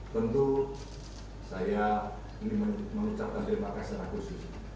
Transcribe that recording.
tentu saya ingin mengucapkan terima kasih